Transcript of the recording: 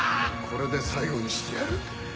これで最後にしてやる。